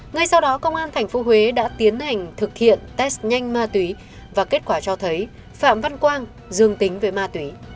ngay sau đó công an tp huế đã tiến hành thực hiện test nhanh ma túy và kết quả cho thấy phạm văn quang dương tính với ma túy